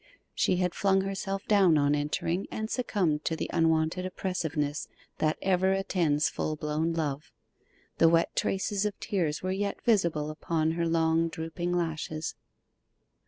She had flung herself down on entering, and succumbed to the unwonted oppressiveness that ever attends full blown love. The wet traces of tears were yet visible upon her long drooping lashes.